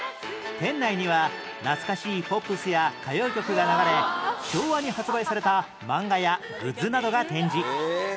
店内には懐かしいポップスや歌謡曲が流れ昭和に発売されたマンガやグッズなどが展示